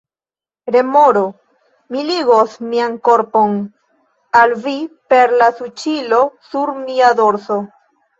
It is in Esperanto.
Remoro: "Mi ligos mian korpon al vi per la suĉilo sur mia dorso!"